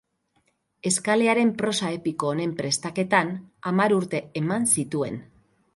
Eskalearen prosa epiko honen prestaketan, hamar urte eman zituen.